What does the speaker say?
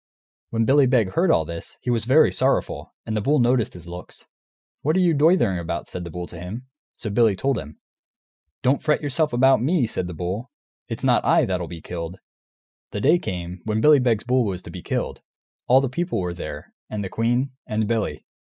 When Billy Beg heard all this, he was very sorrowful, and the bull noticed his looks. "What are you doitherin' about?" said the bull to him. So Billy told him. "Don't fret yourself about me," said the bull, "it's not I that'll be killed!" The day came, when Billy Beg's bull was to be killed; all the people were there, and the queen, and Billy.